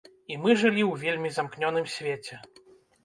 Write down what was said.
І мы жылі ў вельмі замкнёным свеце.